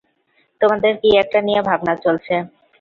তোমাদের কী একটা নিয়ে ভাবনা চলছে।